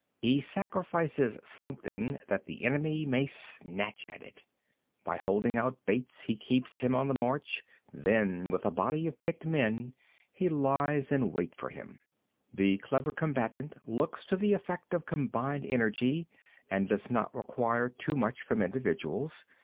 He sacrifices something, that the enemy may snatch at it. 20. By holding out baits, he keeps him on the march; then with a body of picked men he lies in wait for him. 21. The clever combatant looks to the effect of combined energy, and does not require too much from individuals.